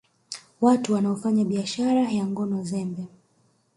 Watu wanaofanya biashara ya ngono zembe